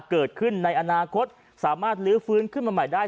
เกิดขึ้นในอนาคตสามารถลื้อฟื้นขึ้นมาใหม่ได้